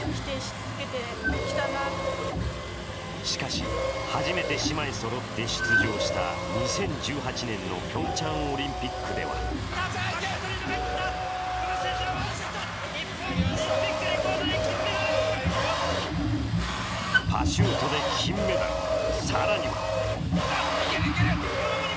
しかし初めて姉妹そろって出場した２０１８年のピョンチャンオリンピックではパシュートで金メダル。